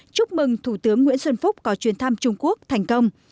chúc mừng thủ tướng nguyễn xuân phúc có chuyến thăm trung quốc thành công